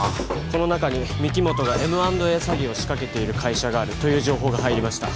この中に御木本がＭ＆Ａ詐欺を仕掛けている会社があるという情報が入りました